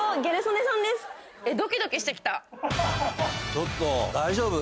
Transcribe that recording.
ちょっと大丈夫？